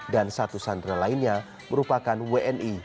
dan satu sandra lainnya merupakan wni